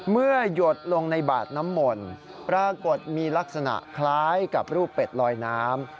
หยดลงในบาดน้ำมนต์ปรากฏมีลักษณะคล้ายกับรูปเป็ดลอยน้ำ